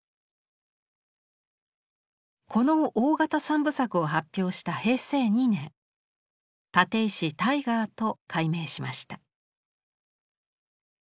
この大型三部作を発表した平成２年立石大河亞と改名しました。